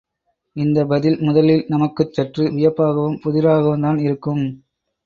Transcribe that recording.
இந்தப் பதில் முதலில் நமக்குச் சற்று வியப்பாகவும் புதிராகவும்தான் இருக்கும்.